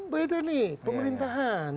beda nih pemerintahan